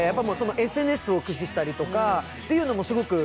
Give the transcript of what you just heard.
ＳＮＳを駆使したりとかというのもすごく。